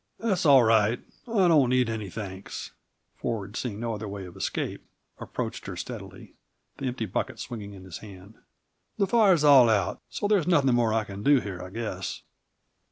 "That's all right; I don't need any thanks." Ford, seeing no other way of escape, approached her steadily, the empty bucket swinging in his hand. "The fire's all out, so there's nothing more I can do here, I guess."